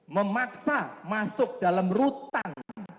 memaksa masuk dalam rutan